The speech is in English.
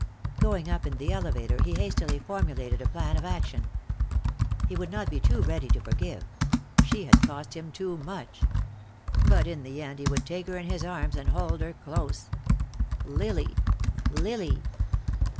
Going up in the elevator he hastily formulated a plan of action. He would not be too ready to forgive; she had cost him too much. But in the end he would take her in his arms and hold her close. Lily! Lily!